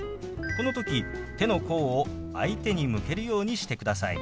この時手の甲を相手に向けるようにしてください。